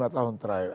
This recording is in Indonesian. lima tahun terakhir